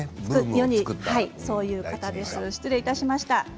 失礼いたしました。